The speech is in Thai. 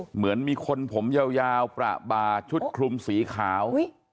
เหมือนมีคนผมยาวประบาชุดคลุมสีขาว